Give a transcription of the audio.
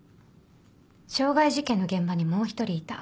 傷害事件の現場にもう一人いた。